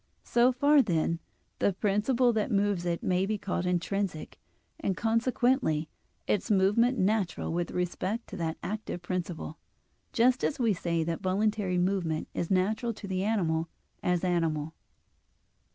So far, then, the principle that moves it may be called intrinsic, and consequently its movement natural with respect to that active principle; just as we say that voluntary movement is natural to the animal as animal (Phys.